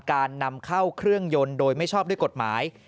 การนำเข้าเครื่องยนต์โดยไม่ชอบด้วยกฎหมาย